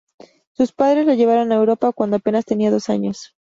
Sus padres lo llevaron a Europa cuando apenas tenía dos años.